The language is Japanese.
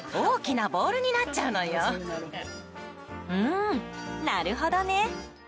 んー、なるほどね。